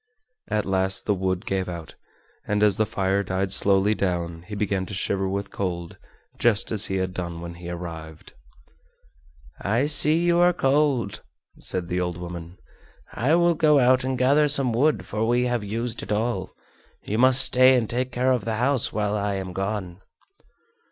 At last the wood gave out, and as the fire died slowly down he began to shiver with cold just as he had done when he arrived. "I see you are cold," said the old woman; "I will go out and gather some wood, for we have used it all. You must stay and take care of the house while I am gone."